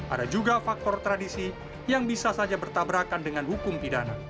ada juga faktor tradisi yang bisa saja bertabrakan dengan hukum pidana